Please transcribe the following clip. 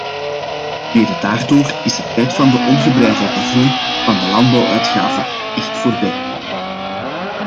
Mede daardoor is de tijd van ongebreidelde groei van de landbouwuitgaven echt voorbij.